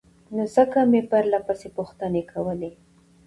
نو ځکه مې پرلهپسې پوښتنې کولې